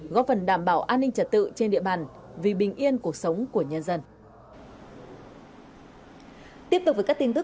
góp phần đảm bảo an ninh trả tự